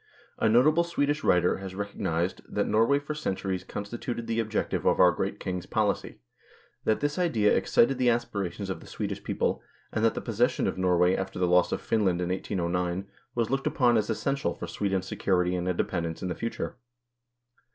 A notable Swedish writer l has recognised " that Norway for centuries constituted the objective of our great kings' policy," that this idea excited the aspirations of the Swedish people, and that the possession of Norway after the loss of Finland in 1809 was looked upon as essential for Sweden's security and independence in the future.